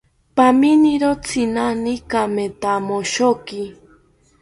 Paminiro tzinani kamethamoshoki